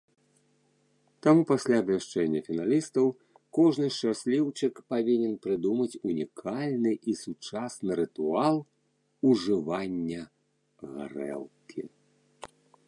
Таму пасля абвяшчэння фіналістаў, кожны шчасліўчык павінен прыдумаць унікальны і сучасны рытуал ужывання гарэлкі.